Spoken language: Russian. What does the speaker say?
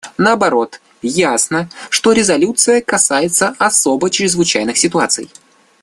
Наоборот, ясно, что резолюция касается особой и чрезвычайной ситуации.